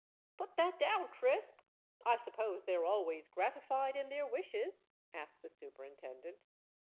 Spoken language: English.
"Put that down, Crisp. I suppose they're always gratified in their wishes?" asked the Superintendent.